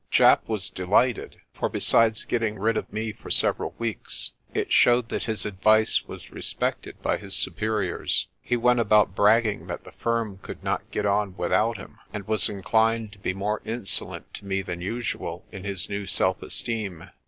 Japp was delighted, for besides getting rid of me for several weeks, it showed that his advice was respected by his supe riors. He went about bragging that the firm could not get on without him, and was inclined to be more insolent to me than usual in his new self esteem.